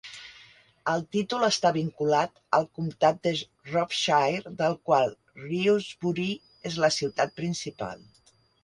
El títol està vinculat al comtat de Shropshire, del qual Shrewsbury és la ciutat principal.